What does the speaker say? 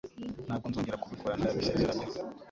Ntabwo nzongera kubikora nda biseseranyeho.